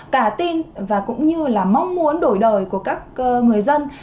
cả tin và cũng như là mong muốn đổi đời của các người dân